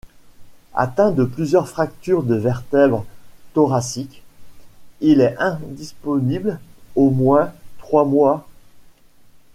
Atteint de plusieurs fractures de vertèbres thoraciques, il est indisponible au moins trois mois.